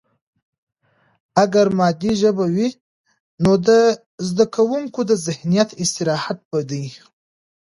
اگر مادي ژبه وي، نو د زده کوونکي د ذهن استراحت به دی.